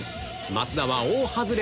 増田は大外れ！